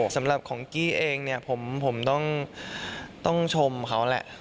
สำหรับของกี้เองเนี่ยผมต้องชมเขาแหละ